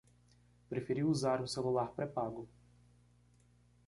Preferiu usar um celular pré-pago